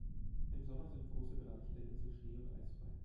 Im Sommer sind große Bereiche der Insel schnee- und eisfrei.